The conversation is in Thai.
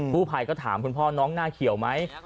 ผู้ภัยก็ถามคุณพ่อน้องหน้าเขียวไหม